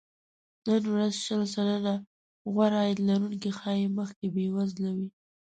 نن ورځ شل سلنه غوره عاید لرونکي ښايي مخکې بې وزله وي